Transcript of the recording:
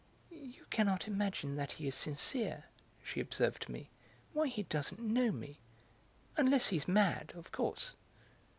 "You cannot imagine that he is sincere," she observed to me. "Why he doesn't know me. Unless he's mad, of course."